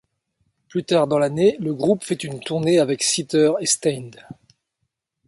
Plus tard dans l'année, le groupe fait une tournée avec Seether et Staind.